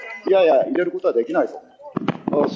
いや入れることはできないと。